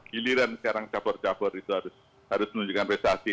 giliran sekarang cabur cabur itu harus menunjukkan prestasi